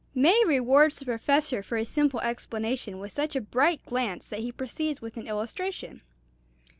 May rewards the Professor for his simple explanation with such a bright glance that he proceeds with an illustration.